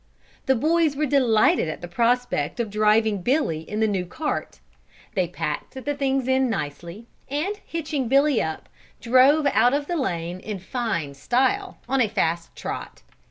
The boys were delighted at the prospect of driving Billy in the new cart. They packed the things in nicely, and hitching Billy up, drove out of the lane in fine style, on a fast trot.